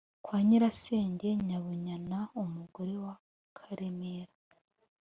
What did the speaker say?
kwa nyirasenge nyabunyana, umugore wa karemera